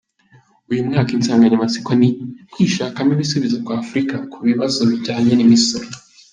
Uyu mwaka insanganyamatsiko ni: “Kwishakamo ibisubizo kwa Afurika ku bibazo bijyanye n’imisoro”.